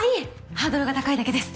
ハードルが高いだけです。